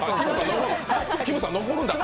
きむさん、残るんだって。